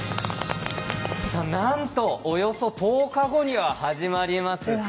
なんとおよそ１０日後には始まります